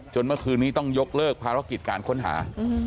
เมื่อคืนนี้ต้องยกเลิกภารกิจการค้นหา